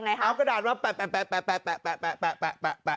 เอากระดาษมาแปะ